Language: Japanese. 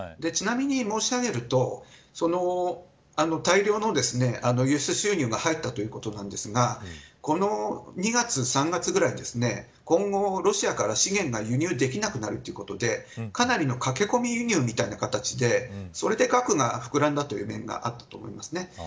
ちなみに申し上げると大量の輸出収入が入ったということなんですがこの２月、３月くらい今後、ロシアから資源が輸入できなくなるということでかなりの駆け込み輸入のような形でそれで核が膨らんだという面があると思います。